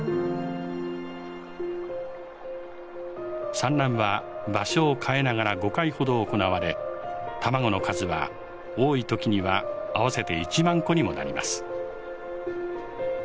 産卵は場所を変えながら５回ほど行われ卵の数は多い時には合わせて１万個にもなります。